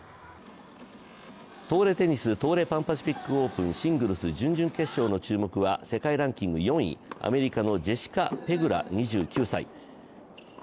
女子テニス東レパンパシフィックオープンシングルス準々決勝の注目は世界ランキング４位、アメリカのジェシカ・ペグラ２９歳。